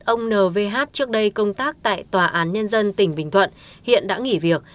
ông nvh trước đây công tác tại tòa án nhân dân tỉnh bình thuận hiện đã nghỉ việc